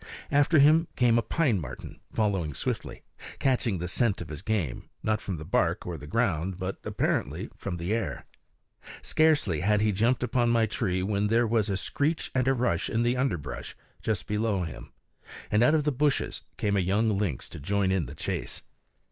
After him came a pine marten, following swiftly, catching the scent of his game, not from the bark or the ground, but apparently from the air. Scarcely had he jumped upon my tree when there was a screech and a rush in the underbrush just below him, and out of the bushes came a young lynx to join in the chase.